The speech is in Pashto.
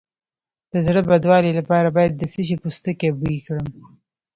د زړه بدوالي لپاره باید د څه شي پوستکی بوی کړم؟